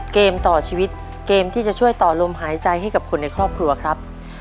เกมต่อชีวิตเกมที่จะช่วยต่อลมหายใจให้กับคนในครอบครัวครับ